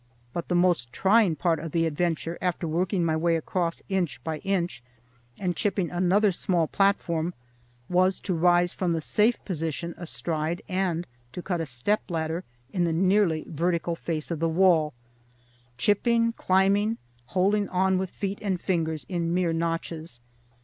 But the most trying part of the adventure, after working my way across inch by inch and chipping another small platform, was to rise from the safe position astride and to cut a step ladder in the nearly vertical face of the wall,—chipping, climbing, holding on with feet and fingers in mere notches.